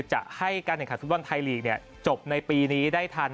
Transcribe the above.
จะให้การแหน่งขัดฟื้นวันไทยลีกจบในปีนี้ได้ทัน